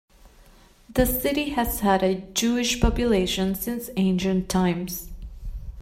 The city has had a Jewish population since ancient times.